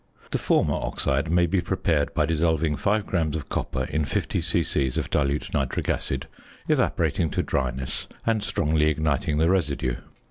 The former oxide may be prepared by dissolving 5 grams of copper in 50 c.c. of dilute nitric acid, evaporating to dryness, and strongly igniting the residue.